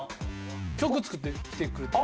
曲作ってきてくれた。